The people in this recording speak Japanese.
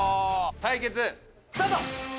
対決スタート！